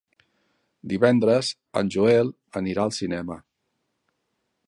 Divendres en Joel anirà al cinema.